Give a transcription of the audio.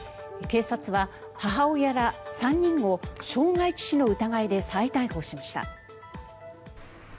警察は母親ら３人を傷害致死の疑いで再逮捕しました。